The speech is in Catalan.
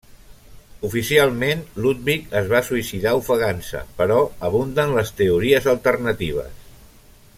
Oficialment, Ludwig es va suïcidar ofegant-se, però abunden les teories alternatives.